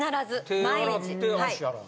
手ぇ洗って足洗う。